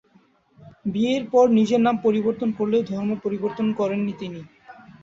বিয়ের পর নিজের নাম পরিবর্তন করলেও ধর্ম পরিবর্তন করেন নি তিনি।